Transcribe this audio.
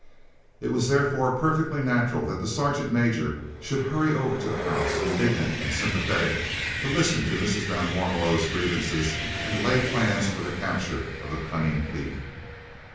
It was therefore perfectly natural that the sergeant major should hurry over to the house, indignant and sympathetic, to listen to Mrs. van Warmelo's grievances and to lay plans for the capture of the cunning thief.